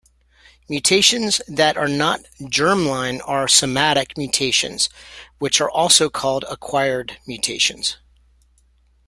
Mutations that are not "germline" are somatic mutations, which are also called "acquired mutations".